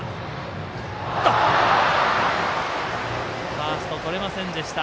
ファースト、とれませんでした。